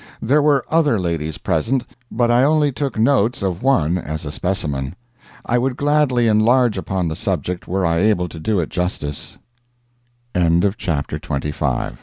There were other ladies present, but I only took notes of one as a specimen. I would gladly enlarge upon the subject were I able to do it justice. RILEY NEWSPAPER CORRESPONDENT One o